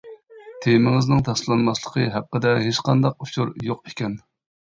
تېمىڭىزنىڭ تەستىقلانماسلىقى ھەققىدە ھېچقانداق ئۇچۇر يوق ئىكەن.